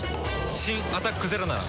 新「アタックＺＥＲＯ」なら。